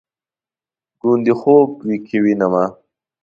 ګوندې خوب کې ووینمه